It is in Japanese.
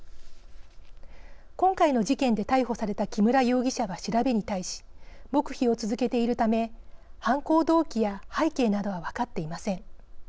今回の事件で逮捕された木村容疑者は調べに対し黙秘を続けているため犯行動機や背景などは分かっていません。